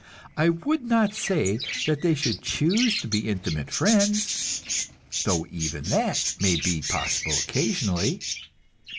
I would not say that they should choose to be intimate friends though even that may be possible occasionally.